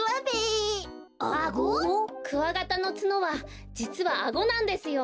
クワガタのツノはじつはアゴなんですよ。